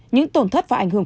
những tổn thất và ảnh hưởng